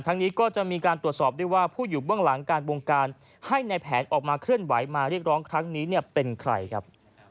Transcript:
นี้ก็จะมีการตรวจสอบได้ว่าผู้อยู่เบื้องหลังการวงการให้ในแผนออกมาเคลื่อนไหวมาเรียกร้องครั้งนี้เนี่ยเป็นใครครับ